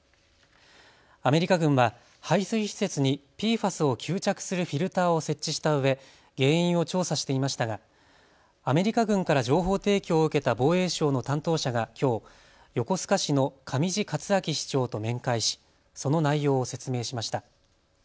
アメリカ軍は排水施設にＰＦＡＳを吸着するフィルターを設置したうえ原因を調査していましたがアメリカ軍から情報提供を受けた防衛省の担当者がきょう、横須賀市の上地克明市長と面会しその内容を説明しました。